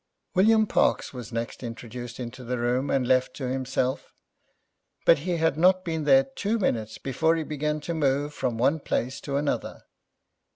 William Parkes was next introduced into the room, and left to himself, but he had not been there two minutes, before he began to move from one place to another.